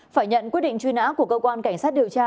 phải nhận quyết định truy nã của cơ quan cảnh sát điều tra